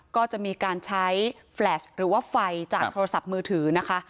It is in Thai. ก็จะมีการใช้แฟลชหรือว่าไฟจากโทรศัพท์มือถือนะคะ